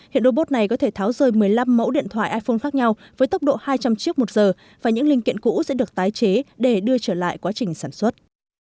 hiện robot này có thể tháo rời một mươi năm mẫu điện thoại iphone khác nhau với tốc độ hai trăm linh chiếc một giờ và những linh kiện cũ sẽ được tái chế để đưa trở lại quá trình sản xuất